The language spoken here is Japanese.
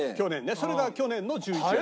それが去年の１１月。